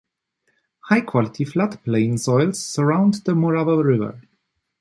High-quality floodplain soils surround the Morava River.